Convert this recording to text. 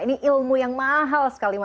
ini ilmu yang mahal sekali